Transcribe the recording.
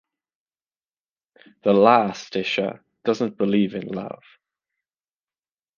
The last, Isha, doesn't believe in love.